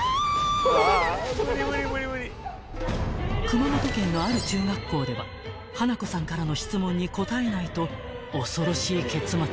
［熊本県のある中学校では花子さんからの質問に答えないと恐ろしい結末に］